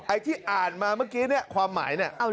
ไอ้ที่อ่านมาเมื่อกี้เนี่ยความหมายเนี่ย